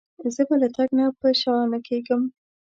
زه به له تګ نه په شا نه کېږم.